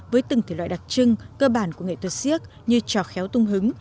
với từng thể loại đặc trưng cơ bản của nghệ thuật siếc như trò khéo tung hứng